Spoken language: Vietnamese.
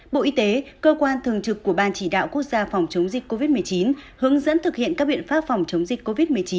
bộ y tế cơ quan thường trực của ban chỉ đạo quốc gia phòng chống dịch covid một mươi chín hướng dẫn thực hiện các biện pháp phòng chống dịch covid một mươi chín